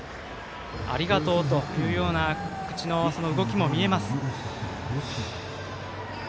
「ありがとう」という口の動きも見えます。